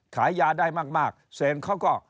ขายยาได้มากเศรษฐ์เขาก็